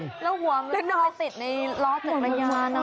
แล้วหัวมันล่อติดในร้อเจ็ดปัญญานะ